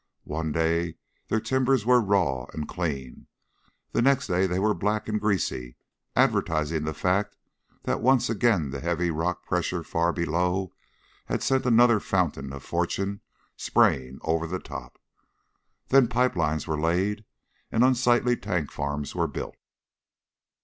One day their timbers were raw and clean, the next day they were black and greasy, advertising the fact that once again the heavy rock pressure far below had sent another fountain of fortune spraying over the top. Then pipe lines were laid and unsightly tank farms were built.